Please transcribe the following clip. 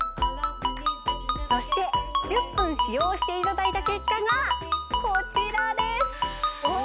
そして１０分使用していただいた結果がこちらですうわ